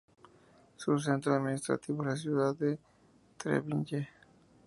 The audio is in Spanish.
Su centro administrativo es la ciudad de Trebinje.